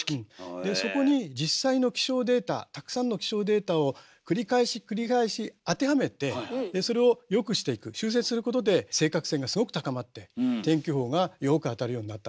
でそこに実際の気象データたくさんの気象データを繰り返し繰り返し当てはめてでそれを良くしていく修正することで正確性がすごく高まって天気予報がよく当たるようになったんだよね。